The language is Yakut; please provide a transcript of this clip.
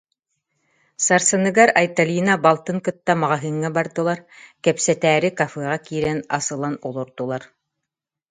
Сарсыныгар Айталина балтын кытта маҕаһыыҥҥа бардылар, кэпсэтээри кофеҕа киирэн ас ылан олордулар